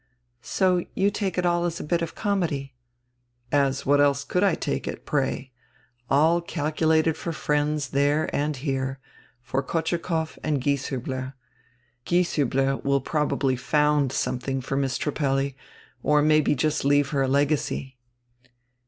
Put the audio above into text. "So you take it all as a bit of comedy." "As what else could I take it, pray? All calculated for friends there and here, for Kotschukoff and Gieshiibler. Gieshiibler will probably found something for Miss Trip pelli, or maybe just leave her a legacy."